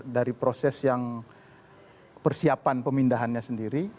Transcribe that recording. dari proses yang persiapan pemindahannya sendiri